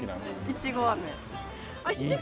いちごあめ？